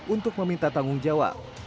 untuk meminta tanggung jawab